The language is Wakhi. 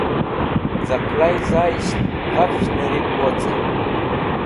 z̃aqlai za'isht ghafch nirip vocen